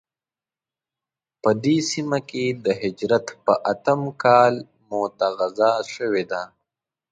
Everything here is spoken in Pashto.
په دې سیمه کې د هجرت په اتم کال موته غزا شوې ده.